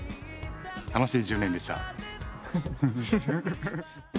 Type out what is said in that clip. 楽しい１０年でした。